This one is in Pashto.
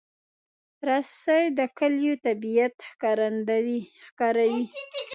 رس د کلیو طبیعت ښکاروي